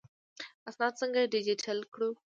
اسناد څنګه ډیجیټل کړو؟